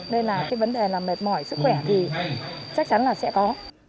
nên là cái vấn đề là mệt mỏi sức khỏe thì chắc chắn là sẽ có